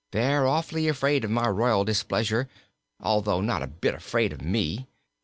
They're awfully afraid of my royal displeasure, although not a bit afraid of me.